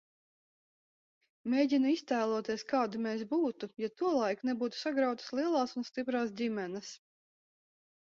Mēģinu iztēloties, kādi mēs būtu, ja tolaik nebūtu sagrautas lielās un stiprās ģimenes.